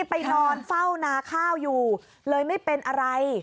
ไปนอนเฝ้านาข้าวอยู่เลยไม่เป็นอะไร